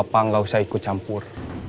bapak gak usah ikut campur